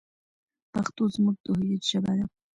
پښتو زموږ د هویت ژبه ده.